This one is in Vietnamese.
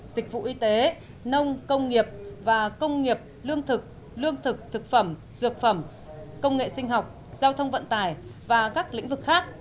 dịch vụ y tế nông công nghiệp và công nghiệp lương thực lương thực thực phẩm dược phẩm công nghệ sinh học giao thông vận tải và các lĩnh vực khác